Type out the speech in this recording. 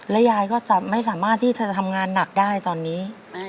ยายก็ไม่สามารถที่จะทำงานหนักได้ตอนนี้